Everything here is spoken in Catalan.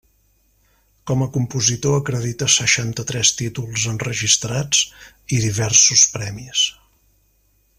Com a compositor, acredita seixanta-tres títols enregistrats i diversos premis.